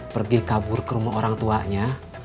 pergi kabur ke rumah orang tuanya